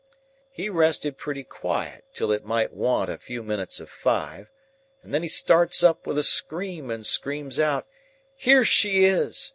"He rested pretty quiet till it might want a few minutes of five, and then he starts up with a scream, and screams out, 'Here she is!